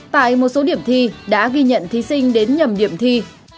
tại một số điểm thi đã ghi nhận thí sinh đến nhầm điểm thi